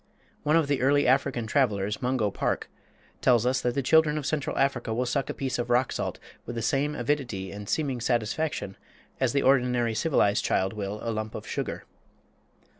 One of the early African travelers, Mungo Park, tells us that the children of central Africa will suck a piece of rock salt with the same avidity and seeming satisfaction as the ordinary civilized child will a lump of sugar.